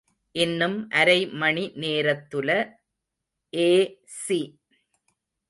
இன்னும் அரை மணி நேரத்துல ஏ.ஸி.